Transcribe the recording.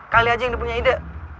kali aja yang dipunya ide